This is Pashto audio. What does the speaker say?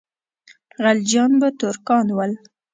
خلجیان به ترکان ول.